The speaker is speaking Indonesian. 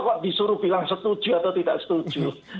kok disuruh bilang setuju atau tidak setuju